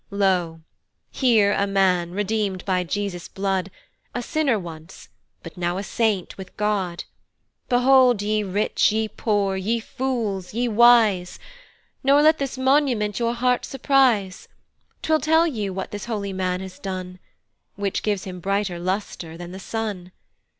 "Lo, here a man, redeem'd by Jesus's blood, "A sinner once, but now a saint with God; "Behold ye rich, ye poor, ye fools, ye wise, "Not let his monument your heart surprise; "Twill tell you what this holy man has done, "Which gives him brighter lustre than the sun.